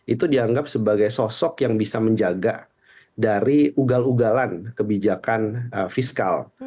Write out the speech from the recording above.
itu dianggap sebagai sosok yang bisa menjaga dari ugal ugalan kebijakan fiskal